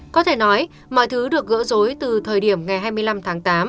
có thể nói mọi thứ được gỡ rối từ thời điểm ngày hai mươi năm tháng tám